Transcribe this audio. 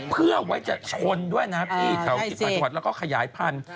เพื่อไว้จะชนด้วยนะครับที่แถวถือผัดแล้วก็ขยายพันธุ์